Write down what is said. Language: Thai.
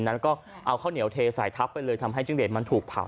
นั้นก็เอาข้าวเหนียวเทใส่ทับไปเลยทำให้จิ้งหลีดมันถูกเผา